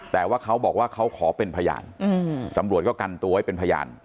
แต่ว่าเขาบอกว่าเขาขอเป็นพยานตำรวจก็กันตัวไว้เป็นพยาน